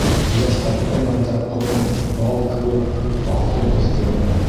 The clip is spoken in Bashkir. Ҡояш ҡалҡҡан мәлдә ҡом, бал кеүек, алтын төҫкә инә.